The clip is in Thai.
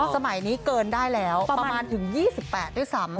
สมัยนี้เกินได้แล้วประมาณถึง๒๘ด้วยซ้ำ